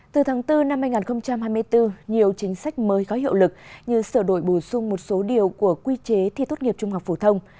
từ tháng bốn năm hai nghìn hai mươi bốn nhiều chính sách mới có hiệu lực như sửa đổi bổ sung một số điều của quy chế thi tốt nghiệp trung học phổ thông